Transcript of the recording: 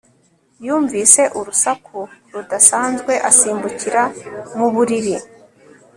Yumvise urusaku rudasanzwe asimbukira mu buriri